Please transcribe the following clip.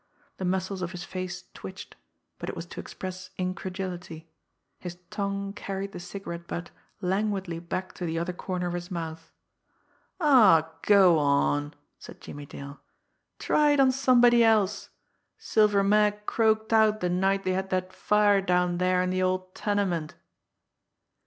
The muscles of his face twitched but it was to express incredulity. His tongue carried the cigarette butt languidly back to the other corner of his mouth. "Aw, go on!" said Jimmie Dale. "Try it on somebody else! Silver Mag croaked out the night they had that fire down there in the old tenement."